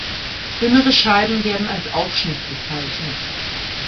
Dünnere Scheiben werden als Aufschnitt bezeichnet.